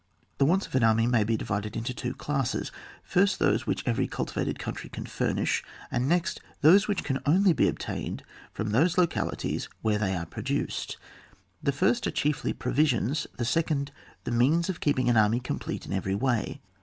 The wants of an army may be divided into two classes, first those which every cultivated country can furnish ; and next those which can only be obtained from those localities where they are prduced. The first are chiefly provisions, the second the means of keeping an army complete in every way.